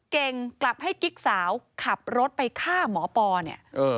เก่งกลับให้กิ๊กสาวขับรถไปฆ่าหมอปอเนี่ย